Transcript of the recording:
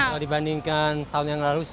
kalau dibandingkan tahun yang lalu sih